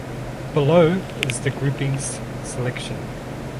Below is the groupings selection.